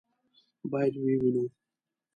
باید ویې وینو.